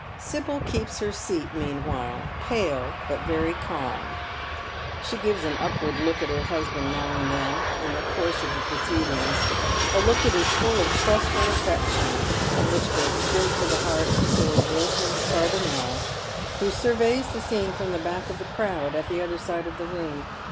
Sibyl keeps her scat meanwhile, pale but very calm. She gives an upward look at her husband now and then in the course ofi the proceedings, a look that is full of trustful afEection, and which goes straight to the heart of Sir Wilford Cardonnel, who surveys the scene fi om the back of the crowd at the other side of the room.